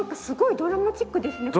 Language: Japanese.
ドラマチックですよ。